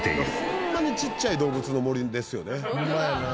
ホンマにちっちゃい『どうぶつの森』ですよね。